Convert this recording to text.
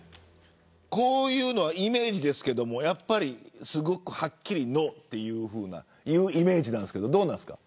こういうのはイメージですけどすごくはっきりノーと言うイメージなんですけどどうですか。